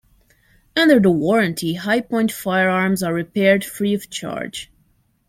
Under the warranty, Hi-Point firearms are repaired free of charge.